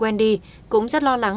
wendy cũng rất lo lắng